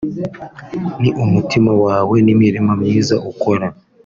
ni umutima wawe n’imirimo myiza ukora